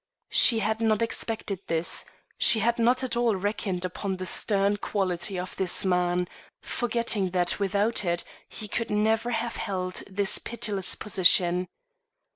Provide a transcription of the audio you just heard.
She had not expected this; she had not at all reckoned upon the stern quality in this man, forgetting that without it he could never have held his pitiless position.